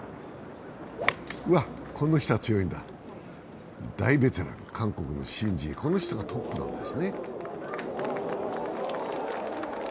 うわっ、この人は強いんだ、大ベテラン、韓国のシン・ジエ、この人がトップなんですね。